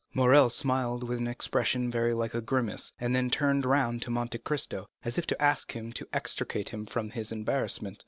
Morrel smiled with an expression very like a grimace, and then turned round to Monte Cristo, as if to ask him to extricate him from his embarrassment.